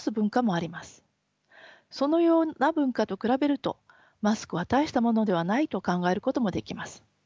そのような文化と比べるとマスクは大したものではないと考えることもできます。